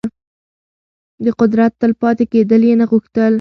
د قدرت تل پاتې کېدل يې نه غوښتل.